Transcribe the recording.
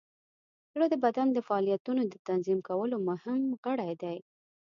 زړه د بدن د فعالیتونو د تنظیم کولو مهم غړی دی.